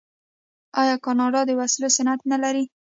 آیا کاناډا د وسلو صنعت نلري؟